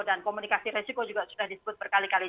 dan komunikasi resiko juga sudah disebut berkali kali